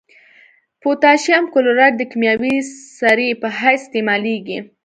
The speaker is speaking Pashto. پوتاشیم کلورایډ د کیمیاوي سرې په حیث استعمالیږي.